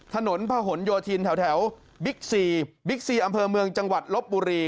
ถนนพะหนโยธินแถวบิ๊กซีบิ๊กซีอำเภอเมืองจังหวัดลบบุรี